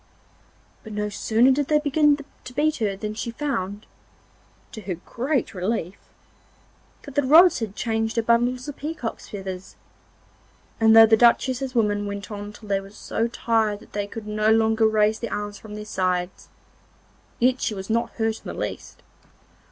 But no sooner did they begin to beat her than she found, to her great relief, that the rods had changed to bundles of peacock's feathers, and though the Duchess's women went on till they were so tired that they could no longer raise their arms from their sides, yet she was not hurt in the least.